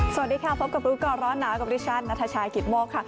สวัสดีครับพบกับลูกรอดน้ากับภริชาธิ์ณขีธโมกค่ะ